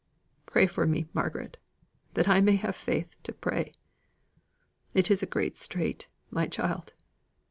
Pray for me, Margaret, that I may have faith to pray. It is a great strait, my child."